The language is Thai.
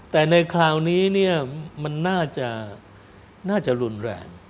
แต่ในคราวนี้เนี่ยมันน่าจะรุนแรง